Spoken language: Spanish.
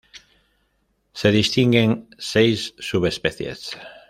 Se distinguen seis subespecies.